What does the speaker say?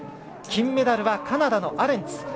金メダルはカナダのアレンツ。